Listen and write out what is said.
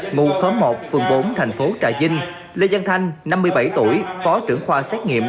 ngụ khóm một phường bốn thành phố trà vinh lê giang thanh năm mươi bảy tuổi phó trưởng khoa xét nghiệm